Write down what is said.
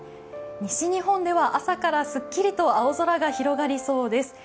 西日本では朝からすっきりと青空が広がりそうです。